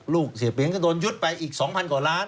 ลูกเสียเปี๊ยงก็โดนยึดไปอีก๒๐๐กว่าล้าน